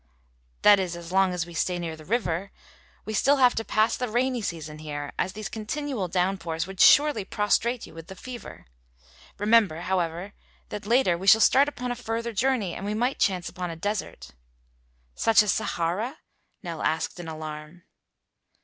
"That is, as long as we stay near the river. We still have to pass the rainy season here, as these continual downpours would surely prostrate you with the fever. Remember, however, that later we shall start upon a further journey and we might chance upon a desert." "Such as Sahara?" Nell asked in alarm.